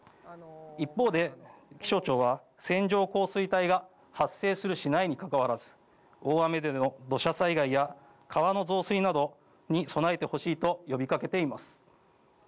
一方で、気象庁は線状降水帯が発生する、しないにかかわらず大雨での土砂災害や川の増水などに備えてほしいと呼びかけています。